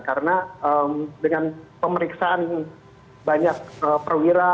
karena dengan pemeriksaan banyak perwira